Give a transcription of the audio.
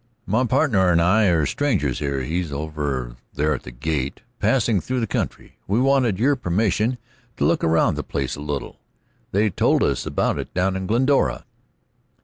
"My partner and I are strangers here he's over there at the gate passing through the country, and wanted your permission to look around the place a little. They told us about it down at Glendora."